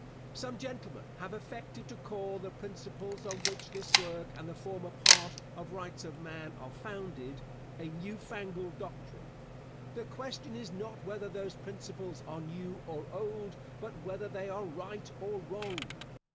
Some gentlemen have affected to call the principles upon which this work and the former part of Rights of Man are founded, "a new fangled doctrine." The question is not whether those principles are new or old, but whether they are right or wrong.